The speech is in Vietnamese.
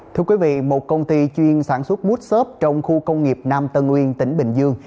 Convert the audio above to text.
thưa quý vị một công ty chuyên sản xuất mút xốp trong khu công nghiệp nam tân nguyên tỉnh bình dương